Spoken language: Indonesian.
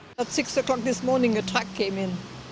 pada enam pagi pagi ini terjadi penyerangan